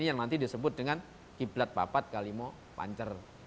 itu yang nanti disebut dengan qiblat papat kalimo pancer